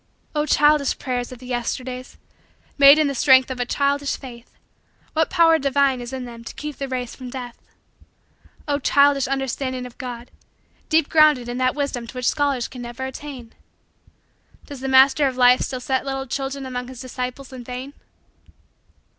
Oh, childish prayers of the Yesterdays! Made in the strength of a childish faith, what power divine is in them to keep the race from death! Oh, childish understanding of God, deep grounded in that wisdom to which scholars can never attain! Does the Master of Life still set little children among His disciples in vain?